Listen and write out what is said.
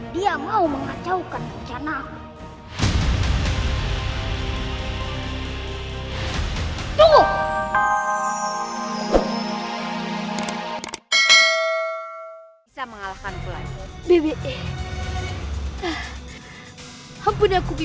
dia mau mengacaukan rencanaku